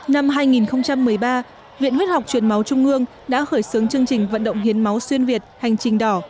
năm hai nghìn một mươi ba viện huyết học truyền máu trung ương đã khởi xướng chương trình vận động hiến máu xuyên việt hành trình đỏ